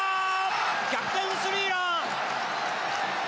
逆転スリーラン！